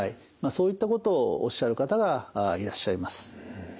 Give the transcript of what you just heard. そういったことをおっしゃる方がいらっしゃいます。